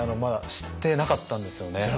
知ってなかったんですよね。